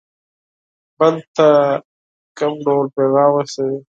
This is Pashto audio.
بل ته کوم ډول پیغام رسوي.